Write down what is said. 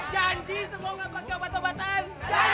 janji semua gak pakai obat obatan